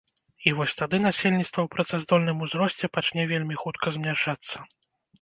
І вось тады насельніцтва ў працаздольным узросце пачне вельмі хутка змяншацца.